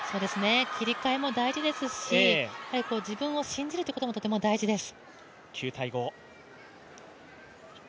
切り替えも大事ですし、自分を信じるということもとても大事です。